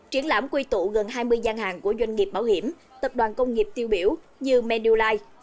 triển lãm quy tụ gần hai mươi gian hàng của doanh nghiệp bảo hiểm tập đoàn công nghiệp tiêu biểu như manulife